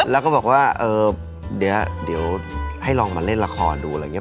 แล้วก็บอกว่าเดี๋ยวให้ลองมาเล่นละครดูอะไรอย่างนี้